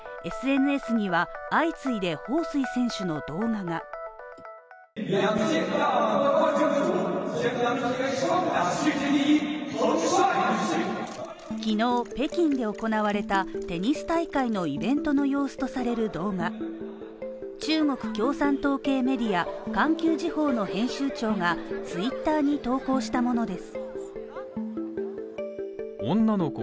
しかし無事をアピールするかのように週末ＳＮＳには、相次いで彭帥選手の動画が昨日北京で行われたテニス大会のイベントの様子とされる動画中国共産党系メディア「環球時報」の編集長がＴｗｉｔｔｅｒに投稿したものです。